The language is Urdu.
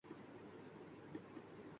مسائل نظری میں الجھ گیا ہے خطیب